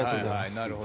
なるほど。